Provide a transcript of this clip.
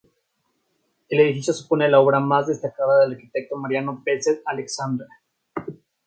El edificio supone la obra más destacada del arquitecto Mariano Peset Aleixandre.